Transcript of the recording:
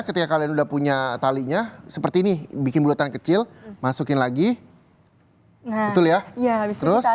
ketika kalian udah punya talinya seperti ini bikin bulutan kecil masukin lagi betul ya iya terus